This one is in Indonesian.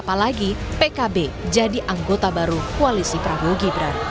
apalagi pkb jadi anggota baru koalisi prabowo gibran